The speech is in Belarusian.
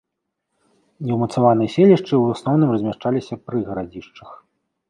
Неўмацаваныя селішчы ў асноўным размяшчаліся пры гарадзішчах.